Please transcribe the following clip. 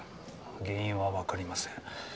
原因は分かりません。